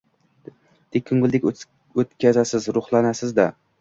deb ko‘ngildan o‘tkazasiz, ruhlanasiz-da!